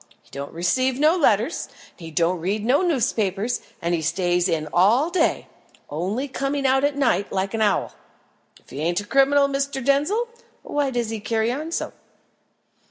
He don't receive no letters, he don't read no newspapers, and stays in all day, only coming out at night, like an owl. If he ain't a criminal, Mr. Denzil, why does he carry on so?"